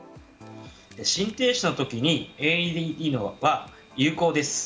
心停止のときにＡＥＤは有効です。